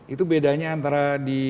itu bedanya antara di